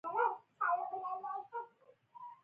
بزګر ته د حاصل موسم جشن وي